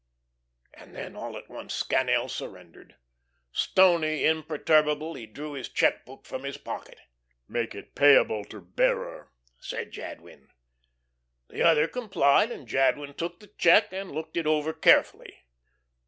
And then all at once Scannel surrendered. Stony, imperturbable, he drew his check book from his pocket. "Make it payable to bearer," said Jadwin. The other complied, and Jadwin took the check and looked it over carefully.